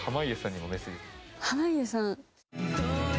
濱家さん。